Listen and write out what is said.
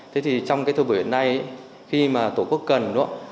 thế thì trong cái thời buổi hôm nay ấy khi mà tổ quốc cần